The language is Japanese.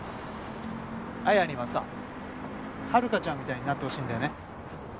彩にはさハルカちゃんみたいになってほしいんだよね。